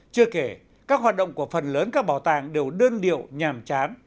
chưa kể các hoạt động của phần lớn các bảo tàng đều đơn điệu nhàm chán